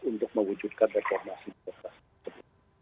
untuk mewujudkan reformasi birokrasi